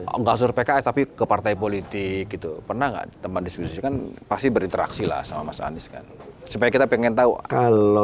enggak suruh pks tapi ke partai politik gitu pernah nggak teman diskusi kan pasti berinteraksi lah sama mas anies kan supaya kita pengen tahu kalau